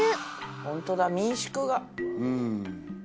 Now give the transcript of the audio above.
ホントだ民宿が。